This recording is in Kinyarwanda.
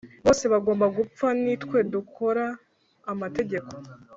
bose bagomba gupfa nitwe dukora amategeko